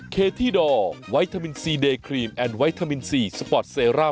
เคที่ดอร์ไวทามินซีเดย์ครีมแอนไวทามินซีสปอร์ตเซร่า